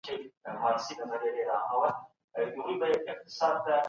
څه ډول باید د سختو شرایطو پر مهال هم وخاندو؟